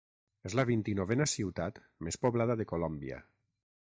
És la vint-i-novena ciutat més poblada de Colòmbia.